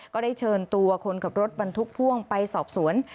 ก็ได้เชิญตัวคนขับรถบรรทุกพ่วงไปสอบสวน